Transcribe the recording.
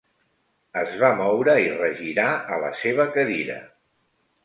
Es va moure i regirar a la seva cadira.